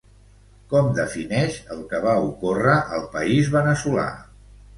Com defineix el que va ocórrer al país veneçolà?